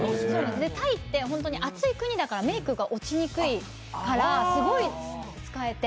タイって暑い国だからメークが落ちにくいからすごい使えて。